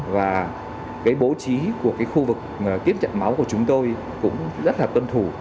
và bố trí của khu vực tiếp nhận máu của chúng tôi cũng rất là tuân thủ